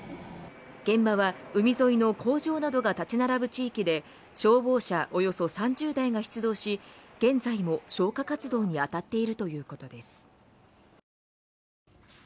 現場は海沿いの工場などが立ち並ぶ地域で消防車およそ３０台が出動し現在も消火活動に当たっているということです。